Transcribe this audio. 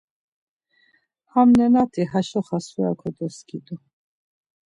Ham nenati haşo xasura kodoskidu.